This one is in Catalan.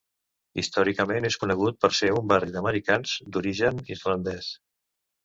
Històricament, és conegut per ser un barri d'americans d'origen irlandès.